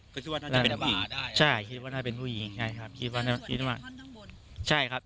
ก็คิดว่าน่าจะเป็นผู้หญิงใช่คิดว่าน่าจะเป็นผู้หญิงใช่ครับคิดว่าน่าจะคิดว่าคนข้างบนใช่ครับ